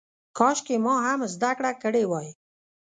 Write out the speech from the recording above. کاشکې ما هم زده کړه کړې وای.